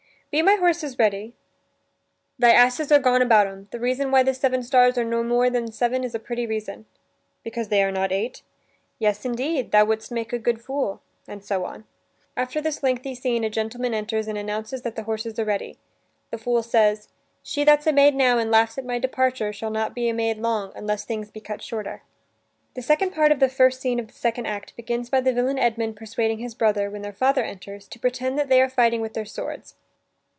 " Be my horses ready?" "Thy asses are gone about 'em. The reason why the seven stars are no more than seven is a pretty reason." "Because they are not eight?" "Yes, indeed: thou would'st make a good fool." And so on. After this lengthy scene, a gentleman enters and announces that the horses are ready. The fool says: "She that's a maid now, and laughs at my departure, Shall not be a maid long, unless things be cut shorter." The second part of the first scene of the second act begins by the villain Edmund persuading his brother, when their father enters, to pretend that they are fighting with their swords.